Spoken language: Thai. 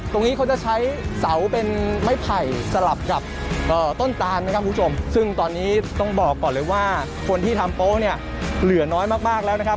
ตรงนี้เขาจะใช้เสาเป็นไม้ไผ่สลับกับต้นตานนะครับคุณผู้ชมซึ่งตอนนี้ต้องบอกก่อนเลยว่าคนที่ทำโป๊ะเนี่ยเหลือน้อยมากแล้วนะครับ